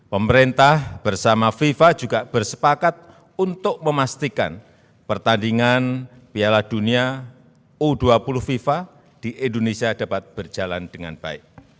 pemerintah bersama fifa juga bersepakat untuk memastikan pertandingan piala dunia u dua puluh fifa di indonesia dapat berjalan dengan baik